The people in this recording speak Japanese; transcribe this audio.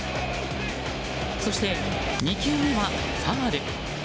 そして２球目はファウル。